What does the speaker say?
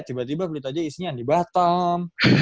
tiba tiba belit aja isnyandi batam